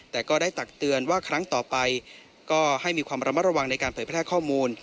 แต่ก็ได้ตักเตือนว่าครั้งต่อไปก็ให้มีความระมัดระวังในการเผยแพร่ข้อมูล